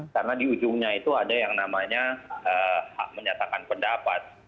karena di ujungnya itu ada yang namanya hak menyatakan pendapat